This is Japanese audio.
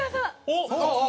おっ！